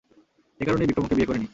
একারণেই বিক্রম ওকে বিয়ে করেনি।